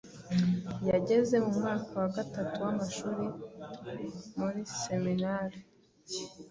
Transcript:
Yageze mu mwaka wa Gatatu w’amashuri muri Seminari,